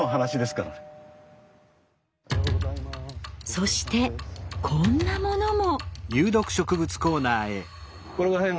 そしてこんなものも！